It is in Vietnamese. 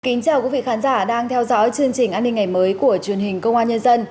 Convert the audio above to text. kính chào quý vị khán giả đang theo dõi chương trình an ninh ngày mới của truyền hình công an nhân dân